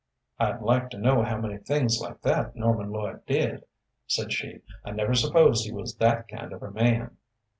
"I'd like to know how many things like that Norman Lloyd did," said she. "I never supposed he was that kind of a man."